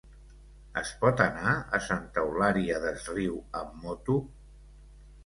Es pot anar a Santa Eulària des Riu amb moto?